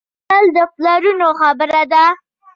متل د پلرونو خبره ده.